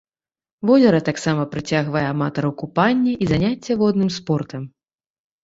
Возера таксама прыцягвае аматараў купання і заняцця водным спортам.